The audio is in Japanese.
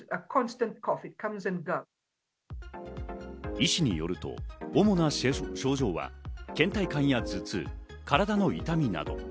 医師によると、主な症状は倦怠感や頭痛、体の痛みなど。